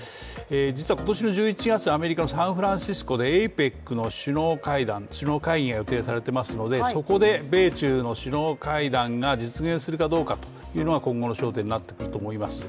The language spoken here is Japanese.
実は今年の１１月、アメリカのサンフランシスコでＡＰＥＣの首脳会談が予定されていますのでそこで米中の首脳会談が実現するかどうかというのが今後の焦点になってくると思います。